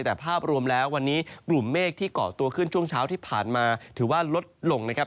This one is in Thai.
แต่ภาพรวมแล้ววันนี้กลุ่มเมฆที่เกาะตัวขึ้นช่วงเช้าที่ผ่านมาถือว่าลดลงนะครับ